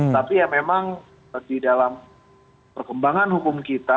tapi ya memang di dalam perkembangan hukum kita